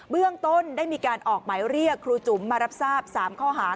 เรื่องต้นได้มีการออกหมายเรียกครูจุ๋มมารับทราบ๓ข้อหา